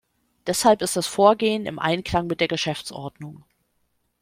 Deshalb ist das Vorgehen im Einklang mit der Geschäftsordnung.